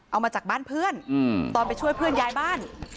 เอามาจากบ้านเพื่อนตอนไปช่วยเพื่อนย้ายบ้าน